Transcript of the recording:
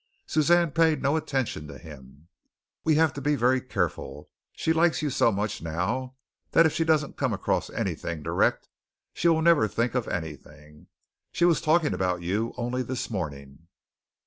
Suzanne paid no attention to him. "We have to be very careful. She likes you so much now that if she doesn't come across anything direct, she will never think of anything. She was talking about you only this morning."